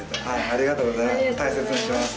ありがとうございます。